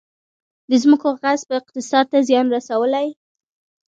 د ځمکو غصب اقتصاد ته زیان رسولی؟